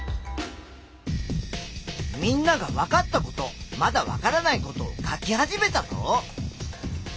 みんながわかったことまだわからないことを書き始めたぞ。